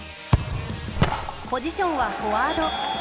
ポジションはフォワード。